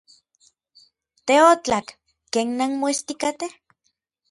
Teotlak. ¿Ken nanmoestikatej?